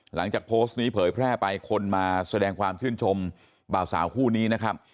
หลังจากโพสต์นี้เผยแพร่ไปคนมาแสดงความชื่นชมบ่าวสาวคู่นี้นะครับ